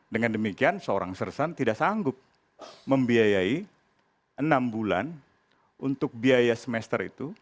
dengan demikian seorang sersan tidak sanggup membiayai enam bulan untuk biaya semester itu